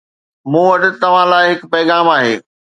مون وٽ توهان لاءِ هڪ پيغام آهي